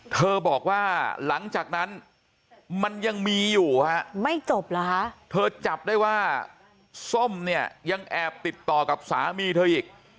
เธอบอกว่าหลังจากนั้นมันยังมีอยู่ฮะไม่จบเหรอฮะเธอจับได้ว่าส้มเนี่ยยังแอบติดต่อกับสามีเธออีก